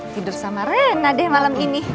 tidur sama rena deh malam ini